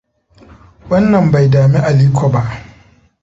Wannan bai dami Aliko ba.